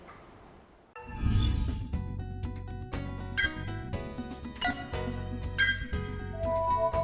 cảnh sát điều tra bộ công an